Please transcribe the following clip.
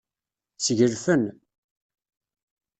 Sgelfen.